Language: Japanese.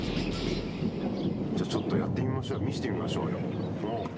ちょっとやってみましょうよ見してみましょうよ。